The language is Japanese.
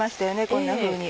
こんなふうに。